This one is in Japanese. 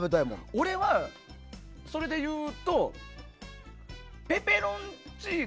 俺は、それで言うとペペロンチーノ。